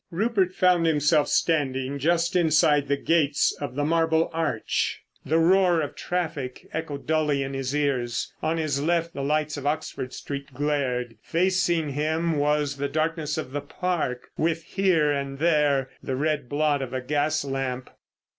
Rupert found himself standing just inside the gates of the Marble Arch. The roar of traffic echoed dully in his ears; on his left the lights of Oxford Street glared. Facing him was the darkness of the Park, with here and there the red blot of a gas lamp.